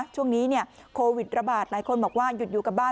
ช่วงนี้โควิดระบาดหลายคนบอกว่าหยุดอยู่กับบ้าน